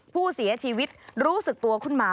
ผู้เสียชีวิตรู้สึกตัวขึ้นมา